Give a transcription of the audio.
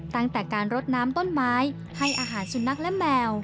ตั้งแต่การรดน้ำต้นไม้ให้อาหารสุนัขและแมว